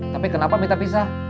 tapi kenapa minta pisah